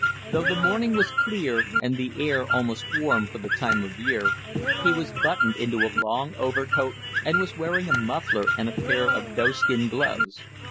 Though the morning was clear and the air almost warm for the time of year, he was buttoned into a long overcoat and was wearing a muffler and a pair of doeskin gloves.